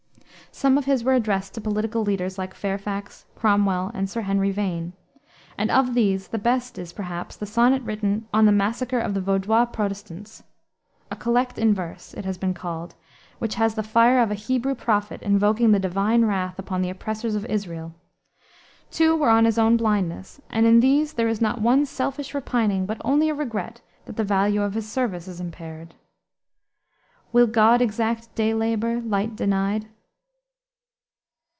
Some of his were addressed to political leaders, like Fairfax, Cromwell, and Sir Henry Vane; and of these the best is, perhaps, the sonnet written on the massacre of the Vaudois Protestants "a collect in verse," it has been called which has the fire of a Hebrew prophet invoking the divine wrath upon the oppressors of Israel. Two were on his own blindness, and in these there is not one selfish repining, but only a regret that the value of his service is impaired "Will God exact day labor, light denied?"